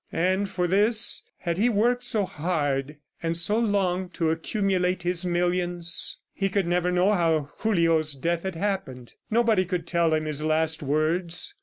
And for this, had he worked so hard and so long to accumulate his millions? ... He could never know how Julio's death had happened. Nobody could tell him his last words.